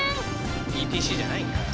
ＥＴＣじゃないんかい。